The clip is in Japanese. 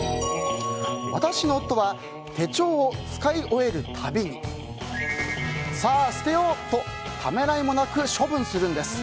私の夫は手帳を使い終えるたびにさ、捨てようとためらいもなく処分するんです。